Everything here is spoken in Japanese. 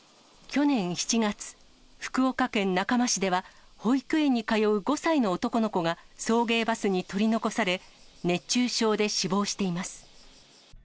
去年７月、福岡県中間市では、保育園に通う５歳の男の子が送迎バスに取り残され、熱中症で死亡しています。